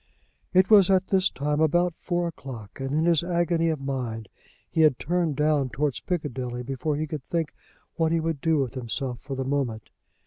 It was at this time about four o'clock, and in his agony of mind he had turned down towards Piccadilly before he could think what he would do with himself for the moment.